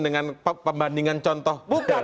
dengan pembandingan contoh